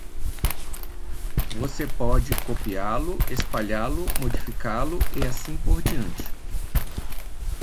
Você pode copiá-lo, espalhá-lo, modificá-lo e assim por diante.